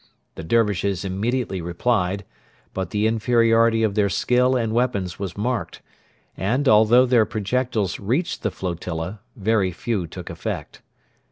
The Dervishes immediately replied, but the inferiority of their skill and weapons was marked, and, although their projectiles reached the flotilla, very few took effect.